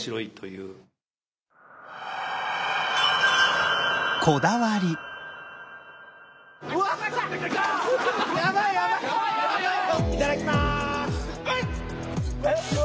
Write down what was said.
いただきます。